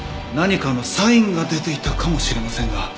何かのサインが出ていたかもしれませんが。